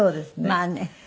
まあね。